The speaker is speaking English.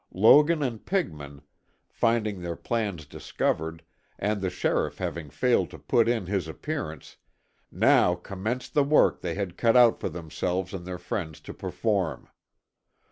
Logan and Pigman, finding their plans discovered, and the sheriff having failed to put in his appearance, now commenced the work they had cut out for themselves and their friends to perform.